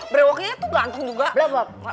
brewoknya tuh ganteng juga